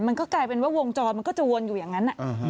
มันก็กลายเป็นว่าวงจรมันก็จะวนอยู่อย่างนั้น